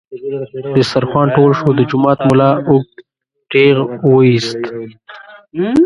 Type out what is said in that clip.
دسترخوان ټول شو، د جومات ملا اوږد ټېغ ویست.